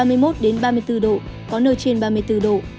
nhiệt độ cao nhất từ ba mươi một ba mươi bốn độ có nơi trên ba mươi bốn độ